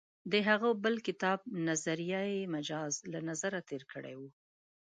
د هغه بل کتاب «نظریه مجاز» له نظره تېر کړی و.